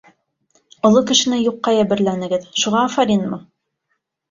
Оло кешене юҡҡа йәберләнегеҙ, шуға афаринмы?